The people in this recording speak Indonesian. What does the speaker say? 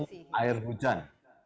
hanya menampung air hujan